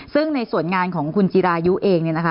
ซึ่งในส่วนงานของคุณจิรายุเอง